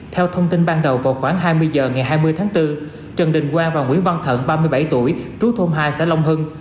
theo thông tin ban đầu vào khoảng hai mươi h ngày hai mươi tháng bốn trần đình quang và nguyễn văn thận ba mươi bảy tuổi trú thôn hai xã long hưng